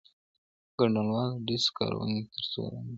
ګډونوالو ډیسک کارولی ترڅو رنګ برابر کړي.